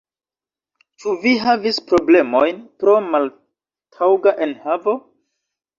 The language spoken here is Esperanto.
Ĉu vi havis problemojn pro maltaŭga enhavo?